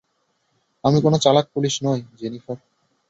আমি কোন চালাক পুলিশ নই, জেনিফার।